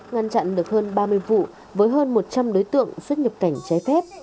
ngăn chặn được hơn ba mươi vụ với hơn một trăm linh đối tượng xuất nhập cảnh trái phép